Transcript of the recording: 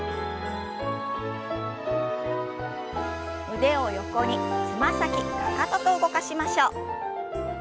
腕を横につま先かかとと動かしましょう。